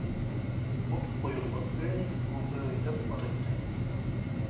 بۇت قويۇلغان ئۆينى «ئۇلۇغ ئۆي» دەپ ئاتايتتى.